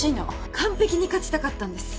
完璧に勝ちたかったんです。